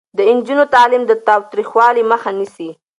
د نجونو تعلیم د تاوتریخوالي مخه نیسي.